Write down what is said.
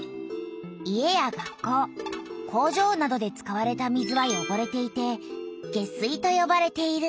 家や学校工場などで使われた水はよごれていて「下水」とよばれている。